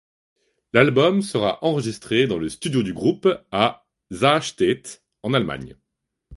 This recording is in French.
L'album sera enregistré dans le studio du groupe à Sarstedt en Allemagne.